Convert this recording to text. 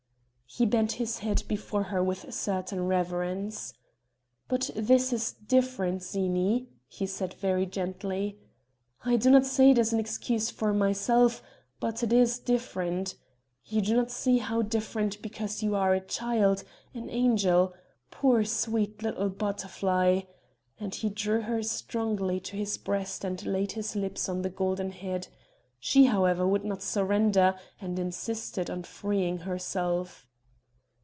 He bent his head before her with a certain reverence: "But this is different, Zini," he said very gently; "I do not say it as an excuse for myself, but it is different. You do not see how different because you are a child an angel poor, sweet, little butterfly," and he drew her strongly to his breast and laid his lips on the golden head; she however would not surrender and insisted on freeing herself.